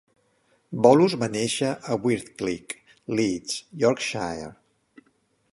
Bolus va néixer a Whitkirk, Leeds, Yorkshire.